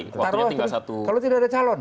kalau tidak ada calon